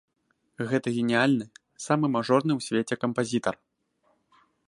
Гэта геніяльны, самы мажорны ў свеце кампазітар.